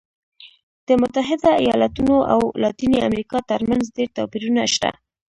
د متحده ایالتونو او لاتینې امریکا ترمنځ ډېر توپیرونه شته.